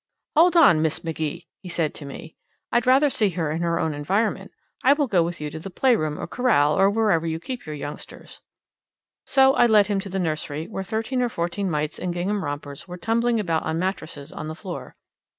"Hold on, Miss McGee!" said he to me. "I'd rather see her in her own environment. I will go with you to the playroom or corral or wherever you keep your youngsters." So I led him to the nursery, where thirteen or fourteen mites in gingham rompers were tumbling about on mattresses on the floor.